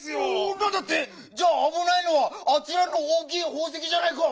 なんだって⁉じゃああぶないのはあちらのおおきいほうせきじゃないか！